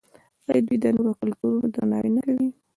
آیا دوی د نورو کلتورونو درناوی نه کوي؟